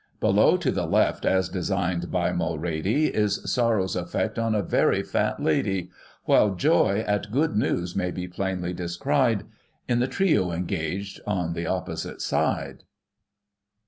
Below, to the left, as designed by Mulready, Is sorrow's effect on a very fat lady ; While joy at good news may be plainly descried, In the trio engaged on the opposite side."